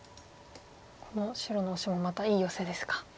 この白のオシもまたいいヨセですか。